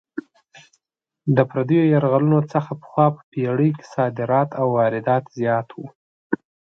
د پردیو یرغلونو څخه پخوا په پېړۍ کې صادرات او واردات زیات وو.